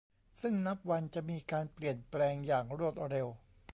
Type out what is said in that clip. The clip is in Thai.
ซึ่งนับวันจะมีการเปลี่ยนแปลงอย่างรวดเร็ว